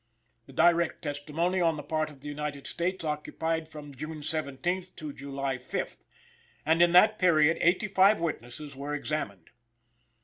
The direct testimony on the part of the United States occupied from June 17th to July 5th, and in that period eighty five witnesses were examined.